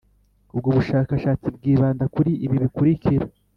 Ubwo bushakashatsi bwibanda kuri ibi bikurikira